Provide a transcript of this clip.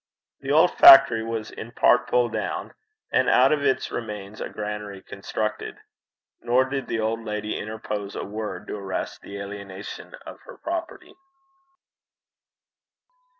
The old factory was in part pulled down, and out of its remains a granary constructed. Nor did the old lady interpose a word to arrest the alienation of her property.